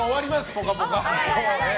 「ぽかぽか」。